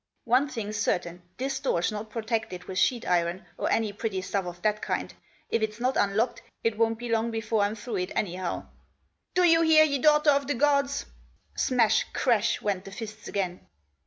" One thing's certain, this door's not protected with sheet iron, or any pretty stuff of that kind. If it's not unlocked it won't be long before I'm through it, anyhow. Do you hear, you daughter of the gods?" Smash, crash went the fists again.